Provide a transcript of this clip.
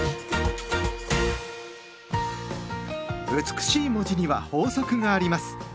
美しい文字には法則があります。